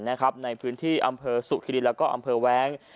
ในพื้นที่อำเภอสุธิรินแล้วก็อำเภอแว้ง